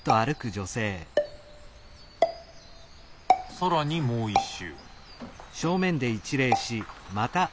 更にもう一周。